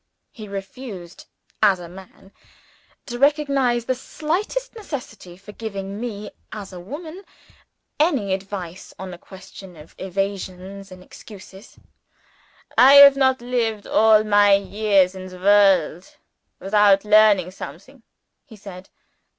He refused (as a man) to recognize the slightest necessity for giving me (as a woman) any advice on a question of evasions and excuses. "I have not lived all my years in the world, without learning something," he said.